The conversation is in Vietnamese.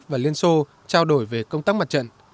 trung quốc và liên xô trao đổi về công tác mặt trận